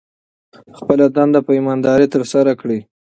خپله دنده په ایمانداري ترسره کړئ.